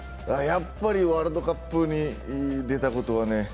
やっぱりワールドカップに出たことはね